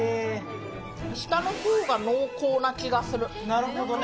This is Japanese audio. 下の方が濃厚な気がする。